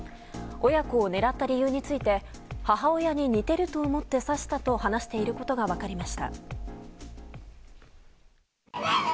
親子を狙った理由について母親に似ていると思って刺したと話していることが分かりました。